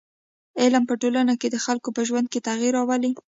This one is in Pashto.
علم په ټولنه کي د خلکو په ژوند کي تغیر راولي.